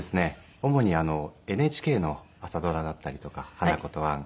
主にＮＨＫの朝ドラだったりとか『花子とアン』